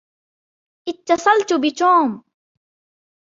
اتصلت بتوم.